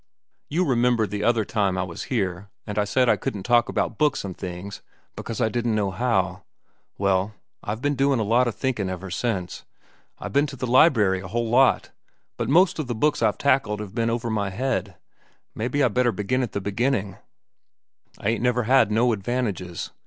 "You remember the other time I was here I said I couldn't talk about books an' things because I didn't know how? Well, I've ben doin' a lot of thinkin' ever since. I've ben to the library a whole lot, but most of the books I've tackled have ben over my head. Mebbe I'd better begin at the beginnin'. I ain't never had no advantages.